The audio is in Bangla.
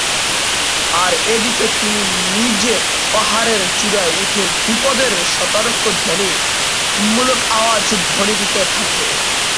আর এ দিকে তিনি নিজে পাহাড়ের চূড়ায় উঠে বিপদের সতর্ক ধ্বনি মূলক আওয়াজ ধ্বনি দিতে থাকে।